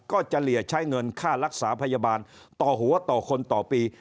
เฉลี่ยใช้เงินค่ารักษาพยาบาลต่อหัวต่อคนต่อปี